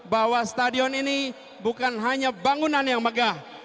bahwa stadion ini bukan hanya bangunan yang megah